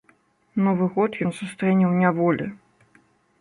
Новы год ён сустрэне ў няволі.